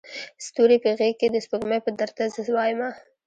ستوري په غیږکي د سپوږمۍ به درته څه وایمه